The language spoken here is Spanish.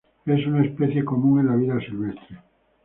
Es una especie común en la vida silvestre.